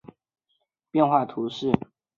丰捷卡巴尔代斯人口变化图示